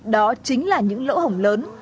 đó chính là những lỗ hổng lớn